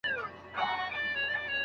آیا مهارت تر استعداد ګټور دی؟